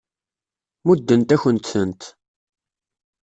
Muddent-akent-tent.